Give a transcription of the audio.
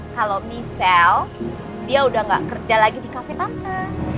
kalo michelle dia udah gak kerja lagi di kafe tante